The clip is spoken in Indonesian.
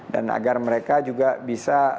dan agar mereka juga bisa